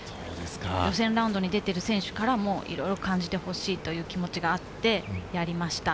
予選ラウンドに出てる選手からもいろいろ感じて欲しいという気持ちがあって、やりました。